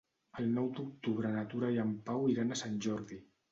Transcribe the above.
El nou d'octubre na Tura i en Pau iran a Sant Jordi.